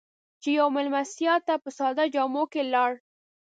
چې يوې مېلمستیا ته په ساده جامو کې لاړ.